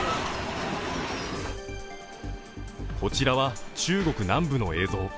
こちらは中国南部の映像。